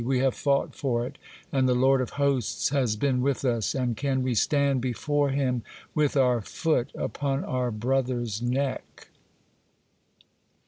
We have fought for it, and the Lord of Hosts has been with us; and can we stand before Him, with our foot upon our brother's neck?